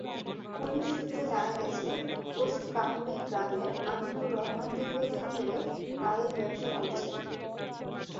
Police সূত্রে জানা গেছে, পোষ্টকামুরী গ্রামের আমিনুর রহমান দীর্ঘদিন ধরে মাদক ব্যবসা করছেন।